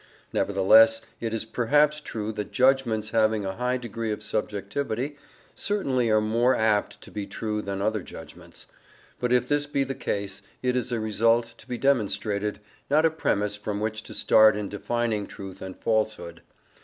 Nevertheless, it is perhaps true that judgments having a high degree of subjective certainty are more apt to be true than other judgments. But if this be the case, it is a result to be demonstrated, not a premiss from which to start in defining truth and falsehood.